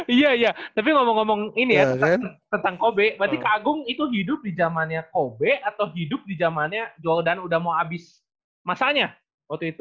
iya iya tapi ngomong ngomong ini ya tentang kobe berarti kak agung itu hidup di zamannya kobe atau hidup di zamannya joldan udah mau habis masanya waktu itu